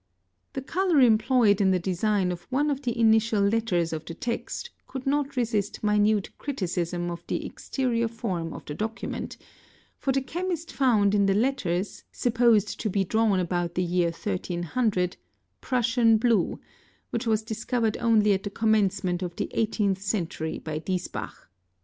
The colour employed in the design of one of the initial letters — of the text could not resist minute criticism of the exterior form of the document, for the chemist found in the letters, supposed to be drawn — about the year 1300, prussian blue, which was discovered only at the commencement of the eighteenth century by Diesbach.